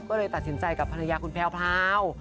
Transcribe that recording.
ก็เลยตัดสินใจกับภรรยาคุณแพรว